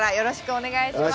お願いします。